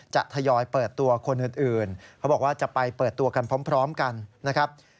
ทยอยเปิดตัวคนอื่นเขาบอกว่าจะไปเปิดตัวกันพร้อมกันนะครับ